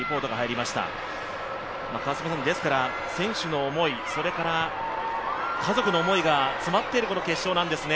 選手の思い、それから家族の思いが詰まっているこの決勝なんですね。